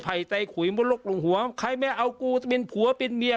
เผยใจคุยมุ๊นลกลงหัวใครไม่เอากูจะเป็นผัวเป็นเมีย